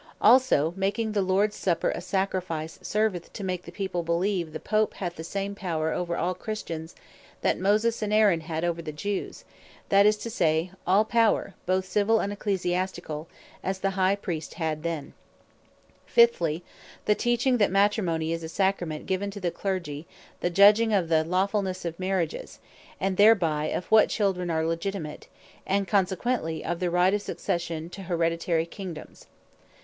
Also, the making the Lords Supper a Sacrifice, serveth to make the People beleeve the Pope hath the same power over all Christian, that Moses and Aaron had over the Jews; that is to say, all power, both Civill and Ecclesiasticall, as the High Priest then had. The Sacramentation Of Marriage Fiftly, the teaching that Matrimony is a Sacrament, giveth to the Clergy the Judging of the lawfulnesse of Marriages; and thereby, of what Children are Legitimate; and consequently, of the Right of Succession to haereditary Kingdomes.